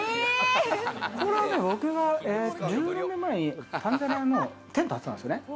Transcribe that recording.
これは僕が１０年くらい前にタンザニアでテント張ってたんですね。